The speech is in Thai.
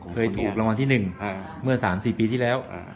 เคยถูกรางวัลที่๑เมื่อ๓๔ปีที่แล้ว